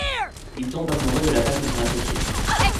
Il tombe amoureux de la femme de son associé.